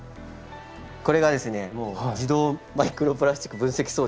これが自動マイクロプラスチック分析装置